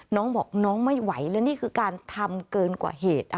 น้องบอกน้องไม่ไหวและนี่คือการทำเกินกว่าเหตุ